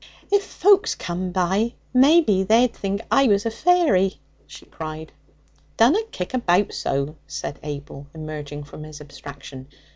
'If folks came by, maybe they'd think I was a fairy!' she cried. 'Dunna kick about so!' said Abel, emerging from his abstraction.